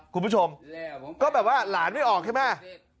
คุณผู้ชมก็แบบว่าหลานไม่ออกใช่ไหม